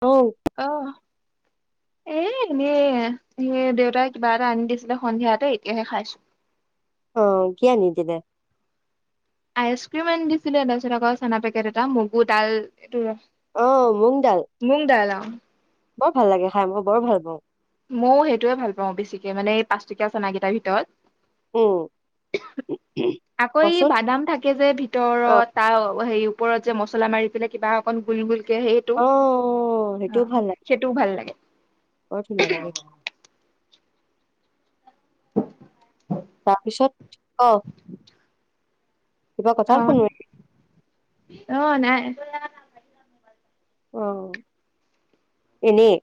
ঔ অ। এ এনেই এ দেউতাই কিবা এটা আনি দিছিলে সন্ধিয়াতে এতিয়াহে খাইছ অ কি আনিদিলে? আইচ ক্ৰীম আনি দিছিলে তাপিছত আকৌ চানা পেকেট এটা মগু দাল এইটো ৰ অ মোংডাল। মোঙ দালা অ। বৰ ভাল লাগে খাই মই বৰ ভাল পাওঁ। ময়ো সেইটোয়ে ভাল পাওঁ বেছিকে মানে এই পাঁচটকীয়া চানা কেইটাৰ ভিতৰত। উম আকৌ কচোন বাদাম থাক কে যে অ ভিতৰত তাৰ সেই ওপৰত যে মছলা মাৰি পেলাই কিবা অকন গোল গোলকে সেই টো, অ অহ, সেইটোও ভাল লাগে। বহুত ধুনিয়া লাগে। [inaudible] তাৰপিছত ক? অঁ শুনোৱে অহ নাই। অ এনেই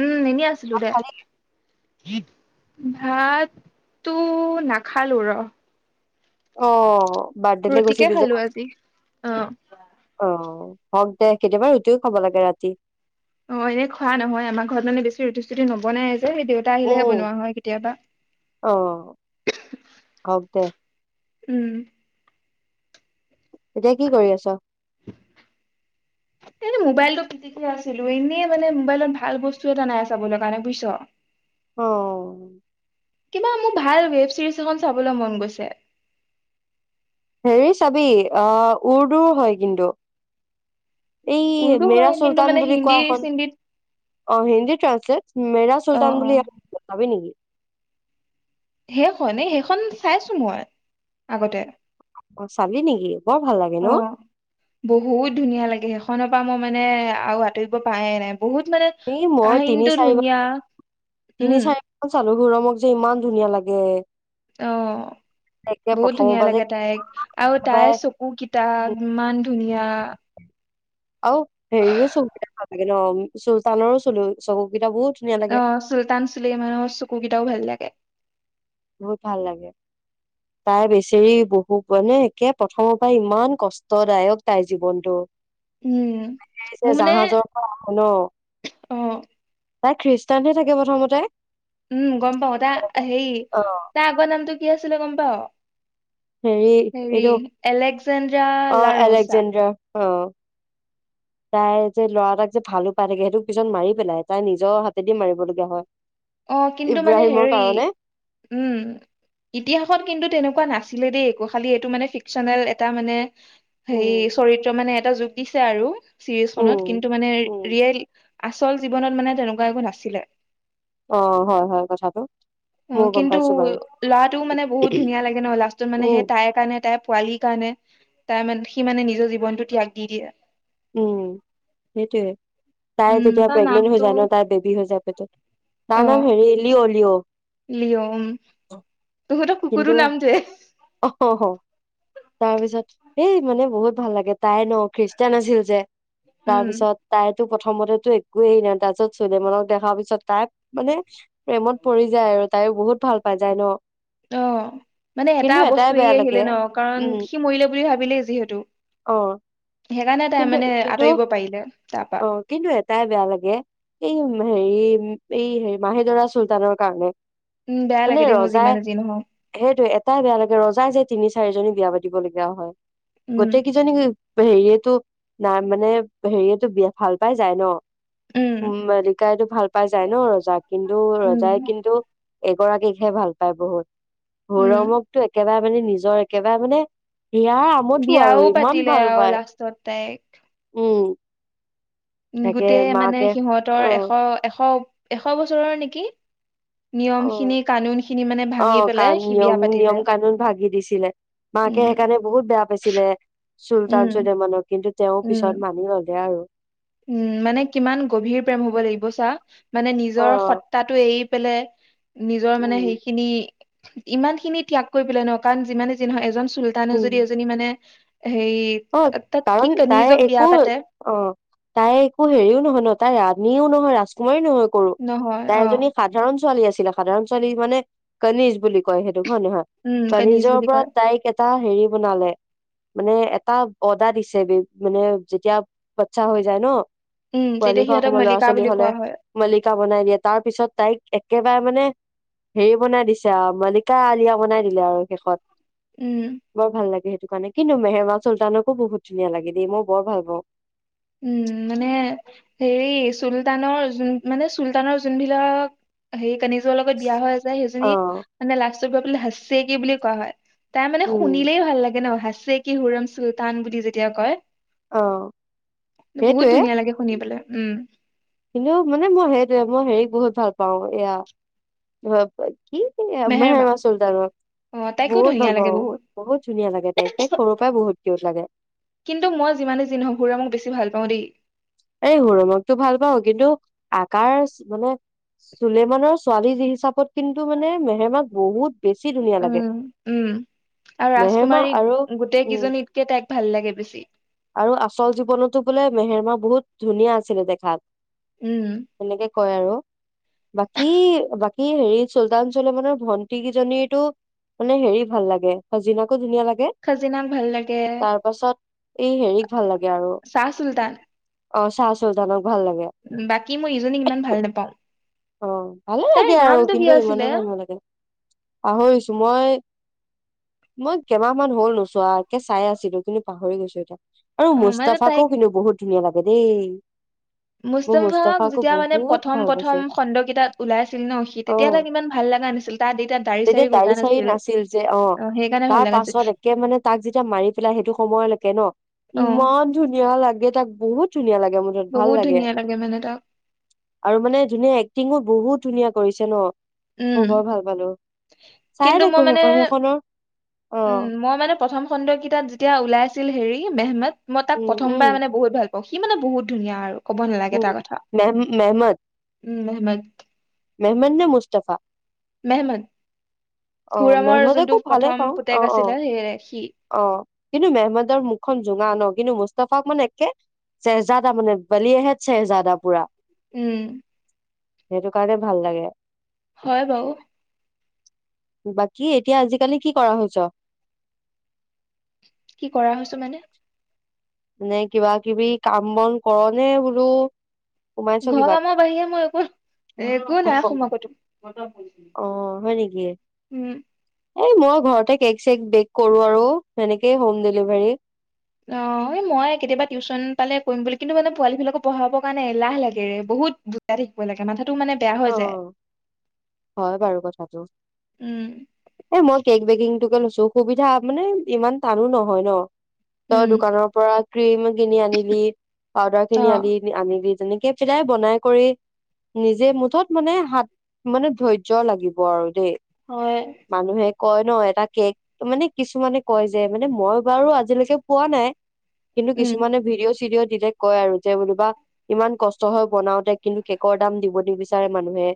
উম এনেই আছিলো দে। খালি ভাততো নাখালো ৰ অ বাৰ্থডেলৈ ৰুটিকে গৈছিলি যে খালো ক আজি অ অ হওক দে কেতিয়াবা ৰুটিও খাব লাগে ৰাতি। অ এনে খোৱা নহয় আমাৰ ঘৰত মানে বেছি ৰুটি চুতি নবনাই যে দেউ তা আহিলেহে উম বনোৱা হয় কেতিয়াবা। অ হওক দে উম এতিয়া কি কৰি আছ? এনে মোবাইলটো টিপি আছিলো এনেই মানে মোবাইলত ভাল বস্তু এটা নাই চাবলৈ কাৰণে বুজিছ অ। কিবা মোক ভাল ৱেব চিৰিজ এখন চাবলৈ মন গৈছে। হেৰি চাবি অ উৰ্দু হয় কিন্তু এই উৰ্দু মেৰা হয় কিন্তু চুলতান মানে বুলি হিন্দী কোৱাখন। চিন্দিত অ হিন্দী ট্ৰান্সলেট মেৰা অ চুলতান অ বুলি এখন চাবি নেকি? সেইখন এই সেইখন চাইছো মই আগতে। অ চালি নেকি বৰ ভাল লাগে অ ন? বহুত ধুনীয়া লাগে সেইখনৰ পৰা মই মানে আৰু আঁতৰিব পাৰাই নাই বহুত মানে এই মই তিনি কাহানীটো চাৰিবাৰ ধুনিয়া তিনি চাৰি বাৰ মান চালো ঘৰমক যে ইমান ধুনীয়া লাগে। অঁ। তাকে বহুত প্ৰথমৰ ধুনীয়া পৰা যে লাগে তাইক আৰু তাইৰ কেতিয়াবাই চকু কেইটা ইমান ধুনীয়া আৰু হেৰি চকুকেইটা ভাল লাগে ন চুলতানৰো চল চকুকেইটা বহুত ধুনীয়া অ লাগে চুলতান চুলি মেলি চকুকেইটাও ভাল লাগে। বহুত ভাল লাগে। [inaudible] তাই বেচৰি বহু মানে একে প্ৰথমৰ পৰা ইমান কষ্টদায়ক তাইৰ জীৱনটো। উম মোৰ এতিয়া মানে জাহাজ ন অ তাই খ্ৰীষ্টানহে থাকে প্ৰথমতে উম গম পাও তাৰ হেৰি অ তাৰ আগৰ নামটো কি আছিলে গম পাৱ? হেৰি হেৰি এইটো এলেক্সজেন্দ্ৰ অ লাৰোচা আলেকজেণ্ডাৰ অ। [inaudible] তাই যে ল'ৰা এটাক যে ভালো পাই থাকে সেইটোক পিছত মাৰি পেলাই তাই নিজৰ হাতেদি মাৰিব লগীয়া হয় অ কিন্তু মানে ইব্ৰাহিমৰ হেৰি কাৰণে উম ইতিহাসত কিন্তু তেনেকুৱা নাছিলে দেই একো খালি এইটো মানে ফিকচনেল এটা মানে হেই উম চৰিত্ৰ মানে এটা জুকিছে আৰু চিৰিজ খনত উম কিন্তু মানে উম ৰিয়েল আচল জীৱনত মানে তেনেকুৱা একো নাছিলে। অ হয় হয় কথাটো। অ ময়ো গম কিন্তু পাইছো বাৰু ল'ৰাটোও মানে বহুত ধুনীয়া লাগে ন লাষ্টত মানে সেই উম তাই কাৰণে তাইৰ পোৱালি কাৰণে তাই মানে সি মানে নিজৰ জীৱনটো ত্যাগ দি দিয়ে। উম সেইটোৱে তাই উম যেতিয়া তাৰ প্ৰেগনেন্ট হৈ নামটো যায় ন তাই বেবী হৈ যায় পেটত। অ তাৰ নাম হেৰি লিঅ' লিঅ'। তঁহত কুকুৰ টো নাম যে অহ হ হ' তাৰপিছত এই মানে বহুত ভাল লাগে, তাই ন' খ্ৰী খ্ৰীষ্টিয়ান আাছিল যে উম তাৰপিছত তাইতো প্ৰথমতেটো একোয়েই নাই তাৰপিছত চুলমনক দেখাৰ পিছত তাই মানে প্ৰেমত পৰি যায় আৰু তাইও বহুত ভাল পাই যায় ন'? অঁ মানে এটা কিন্তু বস্তু এটাই এই বেয়া আহিলে লাগে ন' কাৰণ সি মৰিলে বুলি ভাবিলেই যিহেতু। অঁ সেকাৰণে তাই মানে আঁতৰিব পাইলে, তাৰপা অ কিন্তু এটাই বেয়া লাগে, এই মে হেৰি এই হেই মাহিদৰা চুলতানৰ কাৰণে উম বেয়া মানে লাগে দেই মোৰ ৰজাই যিমান যি নহওঁক। সেইটোৱে এটাই বেয়া লাগে ৰজাই যে তিনি চাৰিজনী বিয়া পাতিব লগীয়া হয়। উম গোটেই কিজনী [unintelligible] হেইয়েটো নাই মানে হেইয়েটো বিয়া ভাল পাই যায় ন'? উম উ মলিকাইতো ভাল পাই যায় ন' ৰজাক, কিন্তু উম ৰজাই কিন্তু এগৰাকীকহে ভাল পায় বহুত। উম সৌৰামক টো একেবাই মানে নিজৰ একেবাই মানে হিয়াৰ আমঠু আৰু ইমান ভাল পায়। পাছত তাইক উম। উম তাকে গোটেই মানে মাকে সিহঁতৰ অ এশ, এশ, এশ বছৰৰ নেকি! নিয়ম খিনি অঁ কানুন খিনি মানে ভাঙি আহ কা পেলাই সি বিয়া নিয়ম পাতিলে নিয়ম কানুন ভাগি দিছিলে। মাকে উম সেকাৰণে বহুত বেয়া পাইছিলে চুলতান উম চুুলেমানক কিন্তু তেওঁ উম পিছত মানি ল'লে আৰু। উম, মানে কিমান গভীৰ প্ৰেম হ'ব লাগিব চা' মানে অ নিজৰ সত তাতো এৰি পেলাই নিজৰ মানে উম সেইখিনি ইমান খিনি ত্যাগ কৰি পেলাই ন' কাৰণ যিমানে যি নহয় এজন চুলতানে উম যদি এজনী মানে অ হেৰি তাত কি কণিজক বিয়া পাতে অঁ তাই একো হেৰিও নহয় ন' তাই ৰাণীও নহয় ৰাজকুমাৰী নহয় কৰো নহয় তাই অ এজনী সাধাৰণ ছোৱালী আছিলে। সাধাৰণ ছোৱালী মানে ক'নিজ বুলি কয় সেইটোক, হয় নহয়? উম কনিজ ক'ণিজৰ বুলি পৰা কয় তাইক এটা হেৰি বনালে, মানে টাক অ'দা দিছে বেব মানে যেতিয়া বাচ্ছা হৈ যায় ন'। উম পোৱালি তেতিয়া হোৱা সিহঁতক অসমৰ ল'ৰা মল্লিকা ছোৱালী বুলি হ'লে। কোৱা হয় মালিকা বনাই দিয়ে, তাৰ পিছত তাইক একেবাৰে মানে হেৰি বনাই দিছে আও মালিকা, আলিয়া বনাই দিলে আও শেষত উম। বৰ ভাল লাগে সেইটো কাৰণে, কিন্তু মেহেমা চুলতানকো বহুত ধুনীয়া লাগে দেই মই বৰ ভাল পাওঁ। উম মানে হেৰি চুলতানৰ যোন মানে চুলতানৰ যোনবিলাক সেই কানিজৰ লগত বিয়া হৈ যায় অ সেইজনীক মানে লাষ্টত গৈ পেলাই হাচছে কি বুলি কোৱা হয়? তাই মানে উম শুনিলেই ভাল লাগে ন', হাচছে কি হুৰাম চুলতান বুলি যেতিয়া কয়। অঁ। বহুত ধুনীয়া লাগে শুনিবলে। উম এনেও মানে মই সেইটোৱে মই হেৰিক বহুত ভাল পাওঁ। এয়া [unintelligible] অ' কি মেহেৰবা মেহেমাৱা চুলটানক অ তাইকো বহুত ধুনীয়া ভাল লাগে পাওঁ। বহুত ধুনীয়া লাগে। দেখ দেখ সৰুৰ পাই বহুত কিউত লাগে। কিন্তু মই যিমানে যি নহওঁক, সৌৰামৰ বেছি ভাল পাওঁ দেই। এই সৌৰামকটো ভাল পাওঁ, কিন্তু আকাৰচ মানে চুলেমানৰ ছোৱালী যি হিচাপত কিন্তু মানে মেহেমাক বহুত বেছি ধুনীয়া উম লাগে উম। আৰু মেহেৰমা ৰাজকুমাৰীক আৰু উম গোটেইকেইজনীতকে তাইক ভাল লাগে বেছি। আৰু আচল জীৱনতো বোলে মেহেৰেমা বহুত ধুনীয়া আছিলে দেখাত। উম। তেনেকে কয় আৰু। বাকী বাকী, হেৰি চুলতান চুলেমানৰ ভন্টি কেইজনীতো মানে হেৰি ভাল লাগে, সজিনাকো ধুনীয়া লাগে। খাজিনাক ভাল লাগে তাৰ পাছত এই হেৰিক ভাল লাগে আৰু। চাহ চুলতান। অ' চাহ চুলতানক ভাল লাগে। বাকী, মই ইজনীক ইমান ভাল নাপাওঁ। অ' ভালে তাইৰ লাগে আৰু নামটো কি কিন্তু আছিলে ইমানো ভাল নালাগে। পাহৰিছো মই মই কেইমাহ মান হ'ল নোচোৱা একে চাই আছিলো কিন্তু পাহৰি গৈছো এতিয়া। আৰু অ মানে মস্তাফাকো তাইক কিন্তু বহুত ধুনীয়া লাগে দেই। মোৰ মুস্তফা মুস্তাফাকো যেতিয়া মানে বহুত প্ৰথম ভাল পাইছে প্ৰথম খণ্ডকেইটাত ওলাইছিল ন শীত তেতিয়া অ তাক ইমান ভাল লাগা নাছিল তাৰ তেতিয়া দাড়ি চাৰি গজা নাছিল আৰু সেইকাৰণে তাৰ ভাল লগা নাছিল। পাছত মানে তাক যেতিয়া মাৰি পেলাই সেইটো সময়লৈকে ন অ ইমান ধুনীয়া লাগে তাক বহুত ধুনীয়া লাগে মনত ভাল বহুত লাগে। ধুনীয়া মানে তাক আৰু মানে ধুনীয়া এক্টিংও বহুত ধুনীয়া কৰিছে ন। উম মই বৰ ভাল পালো, কিন্তু চাইয়ে মই থাকো মানে সেইখন সেইখনৰ উম অ' মই মানে প্ৰথম খণ্ডকেইটাত যেতিয়া ওলাইছিল হেৰি মেহমেদ মই তাক উম প্ৰথম উম বাৰ মানে বহুত ভাল সি মানে বহুত ধুনীয়া আৰু ক'ব নালাগে উম তাৰ কথা মেহ মেহমদ উম মেহেমদ মেহমদ নে মুস্তফা? মেহমড অ সুৰামৰ মেহমদকো যোনটো ভালে প্ৰথম পাওঁ অ পুতেক অ আছিলে। সেই সি অ' কিন্তু মেহমদৰ মুখখন জোঙা ন, কিন্তু মুস্তাফা অকমান একে। চেহজাদা মানে বালি আহে চেহজাদা পুৰা। উম। সেইটো কাৰণে ভাল লাগে। হয় বাৰু! বাকী এতিয়া আজিকালি কি কৰা হৈছ? কি কৰা হৈছো মানে? মানে কিবা-কিবি কাম বন কৰ নে বোলো? সোমাইছ ঘৰ কিবাত? কামৰ বাহিৰে মই একো একো নাই। [unintelligible] অ' হয় নেকি? উম, এই মইও ঘৰতে কেক-চেক বেক কৰো আৰু, তেনেকেই হো'ম ডেলিভাৰী। অহ, এ মই কেতিয়াবা টিউচন পালে কৰিম বুলি কিন্তু মানে পোৱালিবিলাকক পঢ়াবৰ কাৰণে এলাহ লাগে। বহুত শিকাই থাকিব লাগে। মথাটো মানে বেয়া হৈ যায়। অ' হয় বাৰু কথাটো। উম, এ' মই কেক বেকিংটোকে লৈছো, সুবিধা মানে, ইমান টানো নহয় ন। তই উম, দোকানৰ পৰা ক্ৰীম কিনি আনিলি, পাউদাৰ কিনি আনি অ' নি আনিলি, চিধাই বনাই কৰি নিজে মু ঠত মানে হাত মানে ধৈৰ্য্য লাগিব আৰু দেই। হয়। মানুহে কয় ন' এটা কেক' মানে কিছুমানে কয় যে, মানে মই বাৰু আজিলৈকে পোৱা নাই। কিন্তু উম, কিছুমানে ভিডিঅ'-চিডঅ' দিলে কয় আৰু যে বোলোঁবা, ইমান কষ্ট বনাওতে কিন কেকৰ দাম দিব নিবিচ তাৰে মানুহে।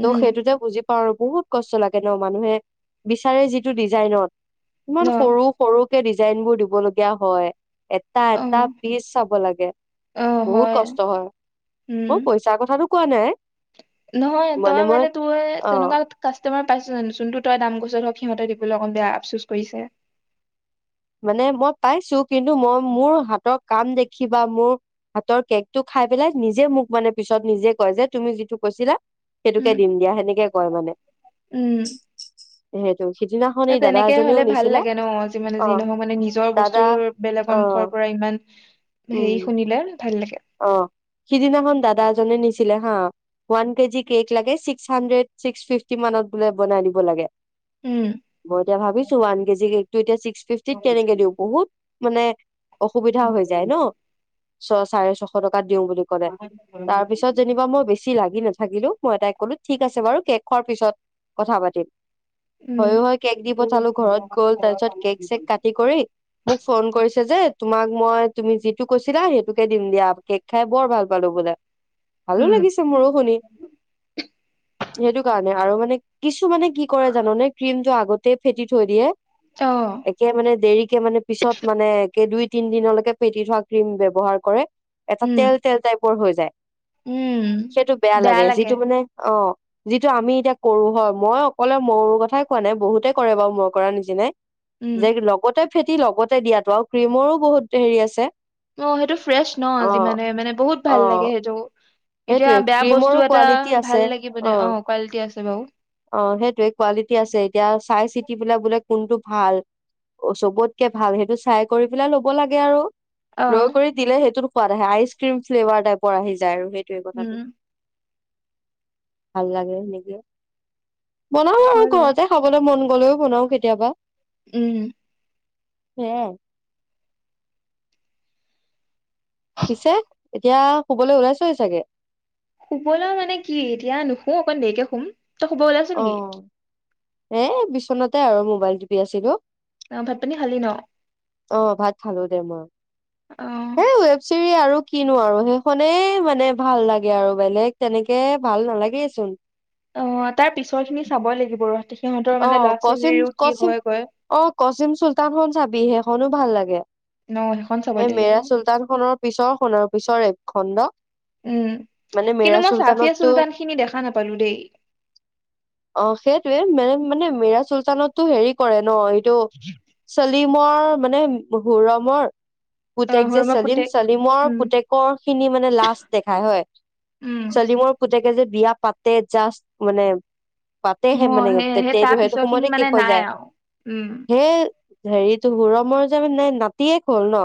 ত' সেইটোতে বুজি তোৰ বহুত কষ্ট লাগে ন। মানুহে বিচাৰে যিটো ডিজাইনত, ইমান অ' সৰু সৰুকে ডিজাইনবোৰ দিবলগীয়া হয়। এ- এটা এটা অ' পীচ চাব লাগে। অ' বহুত হয়, কষ্ট হয়। উম। মই পৈচ চাৰ কথাটো কোৱা নাই। নহয় তই মানে তোৰে, অ তেনেকাত কাষ্টমাৰ পাইছো জান, যোনটোত তই দাম কৈছোঁ, ধৰক সিহঁমতে দিবলৈ অকণ বেয়া আফচোচ কৰিছে? মানে মই পাইছোঁ, কিন্তু মই মোৰ হাতৰ কাম দেখি বা মোৰ হাতৰ কেকটো খাই পেলাই, নিজে মোক মানে পিছত নিজে কয় যে, 'তুমি যিটো কৈছিলা সেইটোকে উম, দিম দিয়া', সেনেকে কয় মানে। সেইটো। সিদিনাখন- এ, এই দাদা তেনেকে এজনেও হ'লে ভাল নিছিলে লাগে ন'। যি মানে অ যি নহওক, মানে নিজৰ দাদা বস্তুৰ অ বেলেগৰ মুখৰ পৰা ইমান হেৰি শুনিলে, ভাল লাগে। অহ। সিদিনাখন দাদা এজনে নিছিলে হা। ৱান কেজি কেক লাগে, ছিক্স হাণ্ড্ৰেড ছিক্স ফিফটি মানত বোলে বনাই দিব লাগে। উম মই এতিয়া ভাবিছোঁ ৱান কেজি কেকটো এতিয়া ছিক্স ফিফটিত কেনেকে দিওঁ। বহুত মানে অসুবিধা হৈ যায় ন। ছ চাৰে-ছশ টকাত দিওঁ বুলি ক'লে। তাৰ পিছত যেনিবা মই বেছ ছি লাগি নাথাকিলোঁ। মই তাই ক'লোঁ, 'ঠিক আছে বাৰু কেক খোৱাৰ পিছত কথা পাতিম। উম হয়, হয় কেক দি পঠালোঁ ঘৰত গৈ। তাৰপিছত কেক-চেক কাটি কৰি মোক ফোন কৰিছে যে, 'তোমাক মই তুমি যিটো কৈছিলা, সেইটোকে দিম দিয়া'। 'কেক খাই বৰ ভাল পালোঁ', বোলে। ভালো উম লাগিছে মোৰো শুনি। [unintelligible] সেইটো কাৰণে। আৰু মানে কিছুমানে কি কৰে জানোনে? ক্ৰীমটো আগতে ফেটি থৈ দিয়ে। তহ। একে মানে দেৰিকে মানে পিছত মানে, একে দুই-তিনদিনলৈকে ফেটি থোৱা ক্ৰীম ব্যৱহাৰ কৰে। এটা উম তেল তেল টাইপৰ হৈ যায়। উম সেইটো বেয়া লাগে, যিটো মানে, অহ। যিটো আমি এতিয়া কৰোঁ, হয়। মই অকলে মোৰ কথাই কোৱা নাই। বহুতে কৰে বাৰু মই কৰা নিচিনাই। উম যে লগতে ফেটি লগতে দিয়াটো আৰু ক্ৰীমৰো বহুত হেৰি আছে। অ', সেইটো ফ্ৰেছ অ ন' যিমানে, মানে বহুত অ ভাল লাগে সেইটো। এতিয়া সেইটোৱে বেয়া বস্তু ক্ৰীমৰো এটা কোৱালিটি ভাল আছে লাগি মানে, অ অহ, কোৱালিটি আছে বাও। অ', সেইটোৱে, কোৱালিটি আছে। এতিয়া চাই-চিতি পেলাই বোলে কোনটো ভাল। অহ, চবতকে ভাল। সেইটো চাই কৰি পেলাই ল'ব লাগে আৰু। অ ৰৌ কৰি দিলে সেইটোৰ পৰা আইচ ক্ৰীম ফ্লেভাৰ টাইপৰ আহি যায় আৰু। সেইটোৱে কথাটো। উম [unintelligible] ভাল লাগে সেনেকে। বনাও আৰু হয় বাৰু ঘৰতে খাবলৈ মন গ'লেও বনাও কেতিয়াবা। উম। সেয়াই। পিছে, এতিয়া শুবলৈ ওলাইছই চাগে? শুবলৈ মানে কি? এতিয়া নোশু অকণ দেৰিকে শুম। তই শুব ওলাইছ নেকি অ', এ বিচনাতে আৰু মোবাইল টিপি আছিলোঁ। অ', ভাত-পানী খালি ন? অ', ভাত খালো দে মই, অ হেই ৱেব চিৰি আৰু কিনো আৰু সেইখনেই মানে ভাল লাগে আৰু বেলেগ তেনেকে ভাল নালাগেইচোন। অ', তাৰ পিছৰখিনি চাব লাগিব ৰহ, সিহঁতৰ মানে অ', ল'ৰা কচিম ছোৱালীও কি কচিম হয়গৈ। অ', কচিম চুলতানখন চাবি সেইখনো ভাল লাগে। ন সেইখন চাব এই লাগিব মেৰা চুলতানখনত পিছৰখনৰ পিছৰ ৱেবখন ন'? উম, কিন্তু মই ছাঠিয়া চুলতানখিনি দেখা নাপালোঁ দেই। অ', সেইটোৱে মানে মিৰা চুলতানততো হেৰি কৰে ন' এইটো চেলিমৰ মানে হুৰমৰ পুতেক যে হৰমা চেলিম পুতেক চেলিমৰ উম পুতেক পৰখিনি মানে লাষ্ট দেখায় হয়, উম চলিমৰ পু পুতেকে যে বিয়া পাতে জাষ্ট মানে, পাতেহে মই মানে সেই সেই তেতিয়া এইটো তাৰ সেইটো পিছৰ খিনি সময়তে শেষ মানে হৈ নাই যায়। আৰু উম সেই হেৰিতো হুৰমৰ যে মানে নাতিয়েক হ'ল ন'?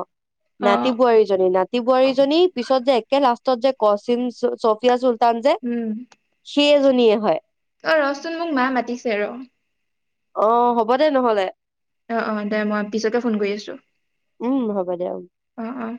অ নাতি বোৱাৰীজনী, নাতি বোৱাৰীজনী পিছত যে একে লাষ্টত যে কচিম চফিয়া চুলতান যে উম। সেইজনীয়ে হয়। ঐ, ৰচোন, মোক মায়ে মাতিছে ৰ। অ', হ'ব দে নহ'লে। অ', অ' দে, মই পিছতে ফোন কৰি আছোঁ। উম, হ'ব দে। অ', অ'।